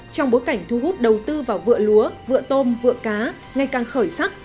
trong bối cảnh thu hút đầu tư vào vựa lúa vựa tôm vựa cá ngày càng khởi sắc